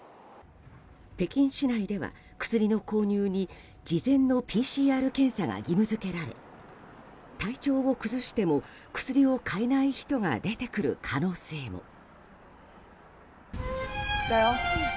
北京市内では、薬の購入に事前のＰＣＲ検査が義務付けられ体調を崩しても薬を買えない人が出てくる可能性も。